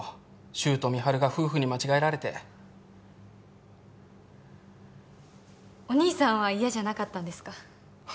柊と美晴が夫婦に間違えられてお義兄さんは嫌じゃなかったんですか？